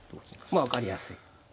まあ分かりやすい。